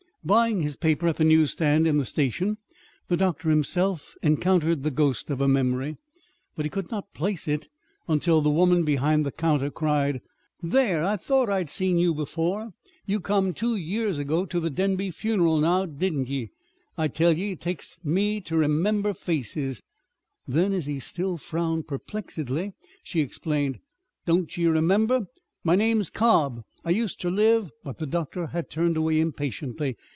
Buying his paper at the newsstand in the station, the doctor himself encountered the ghost of a memory. But he could not place it until the woman behind the counter cried: "There! I thought I'd seen you before. You come two years ago to the Denby fun'ral, now, didn't ye? I tell ye it takes me ter remember faces." Then, as he still frowned perplexedly, she explained: "Don't ye remember? My name's Cobb. I used ter live " But the doctor had turned away impatiently.